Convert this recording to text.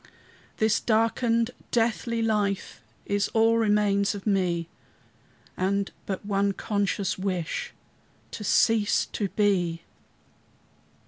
This darkened, deathly life Is all remains of me, And but one conscious wish, To cease to be!